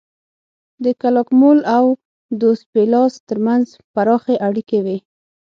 د کلاکمول او دوس پیلاس ترمنځ پراخې اړیکې وې